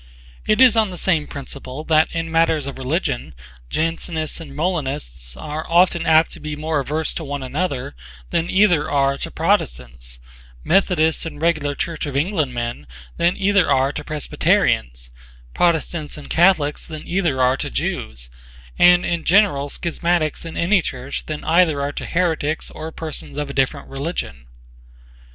It is on the same principle that in matters of religion Jansenists and Molinists are often apt to be more averse to one another than either are to Protestants; Methodists and regular Church of England men than either are to Presbyterians; Protestants and Catholics than either are to Jews; and in general Schismatics in any church than either are to Heretics or to persons of a different religion.